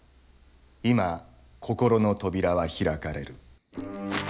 今心の扉は開かれる。